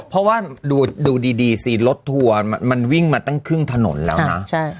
เพราะว่าดูดีสิรถทัวร์มันวิ่งมาตั้งครึ่งถนนแล้วนะ